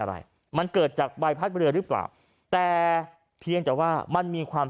อะไรมันเกิดจากใบพัดเรือหรือเปล่าแต่เพียงแต่ว่ามันมีความ